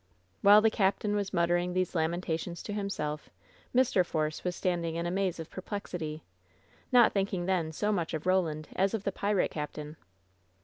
While the captain was muttering these lamentations to himself, Mr. Force was standing in a maze of per plexity — not thinking then so much of Roland as of the pirate captain.